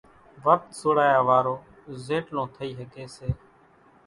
ورت سوڙايا وارو زيٽلون ٿئي ۿڳي سي۔